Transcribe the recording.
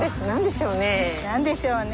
何でしょうね？